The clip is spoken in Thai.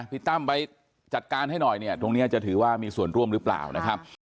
ตั้มไปจัดการให้หน่อยเนี่ยตรงนี้จะถือว่ามีส่วนร่วมหรือเปล่านะครับ